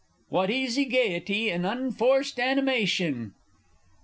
_ What easy gaiety, and unforced animation!